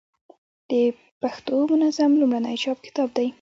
د پښتو منظم لومړنی چاپي کتاب دﺉ.